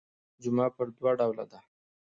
جمعه پر دوه ډوله ده.